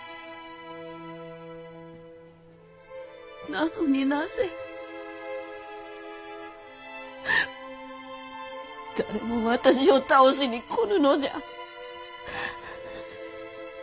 なのになぜ誰も私を倒しに来ぬのじゃ？